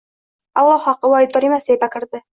Alloh haqqi, u aybdor emas! — deya bakirdi.